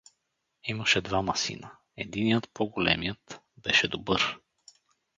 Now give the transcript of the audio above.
Имаше двама сина, единият, по-големият, беше добър.